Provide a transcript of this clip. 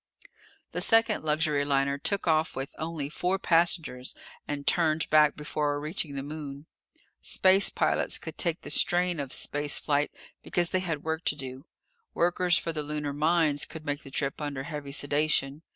The second luxury liner took off with only four passengers and turned back before reaching the Moon. Space pilots could take the strain of space flight because they had work to do. Workers for the lunar mines could make the trip under heavy sedation.